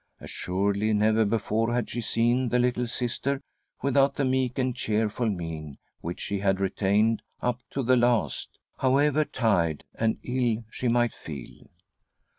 Assuredly never before had she seen the littje Sister without the meek and cheerful mien which she had retained up to the last, however tired and ill she might feel.